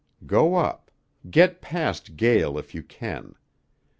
Go up. Get past Gael if you can.